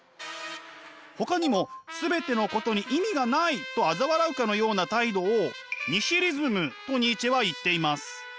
ほかにも全てのことに意味がないとあざ笑うかのような態度をニヒリズムとニーチェは言っています。